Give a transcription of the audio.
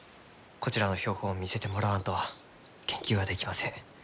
こちらの標本を見せてもらわんと研究はできません。